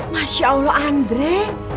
masya allah andre